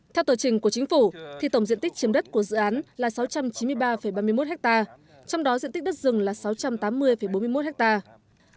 theo tờ trình của chính phủ thì tổng diện tích chiếm đất của dự án là sáu trăm chín mươi ba ba mươi một hectare trong đó diện tích đất rừng là sáu trăm tám mươi bốn mươi một hectare